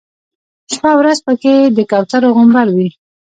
شپه او ورځ په کې د کوترو غومبر وي.